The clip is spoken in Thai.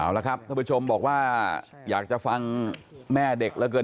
เอาละครับท่านผู้ชมบอกว่าอยากจะฟังแม่เด็กเหลือเกิน